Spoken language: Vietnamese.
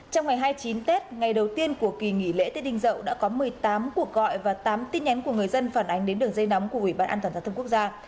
trong ngày hai mươi chín tết ngày đầu tiên của kỳ nghỉ lễ tết đình dậu đã có một mươi tám cuộc gọi và tám tin nhắn của người dân phản ánh đến đường dây nóng của ủy ban an toàn giao thông quốc gia